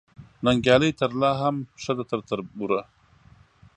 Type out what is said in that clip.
ننګیالۍ ترله هم ښه ده تر تربوره